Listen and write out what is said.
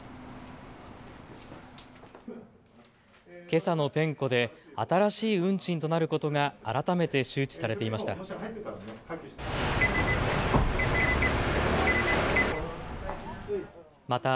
けさの点呼で新しい運賃となることが改めて周知されていました。